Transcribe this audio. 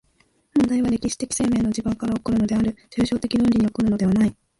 問題は歴史的生命の地盤から起こるのである、抽象論理的に起こるのではない。